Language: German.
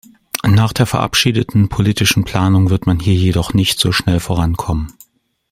Nach der verabschiedeten politischen Planung wird man hier jedoch nicht so schnell vorankommen.